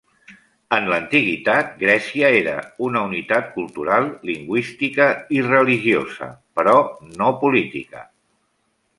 En l'antiguitat Grècia era una unitat cultural, lingüística i religiosa, però no política.